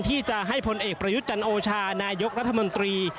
ที่จะให้พลเอกประยุทธ์จันโอชานายกรัฐมนตรี